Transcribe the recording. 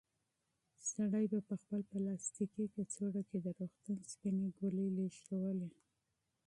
سړي په خپل پلاستیکي کڅوړه کې د روغتون سپینې ګولۍ لېږدولې.